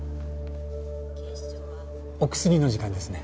お薬の時間ですね。